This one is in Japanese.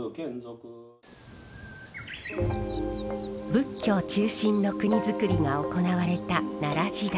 仏教中心の国づくりが行われた奈良時代。